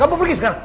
kamu pergi sekarang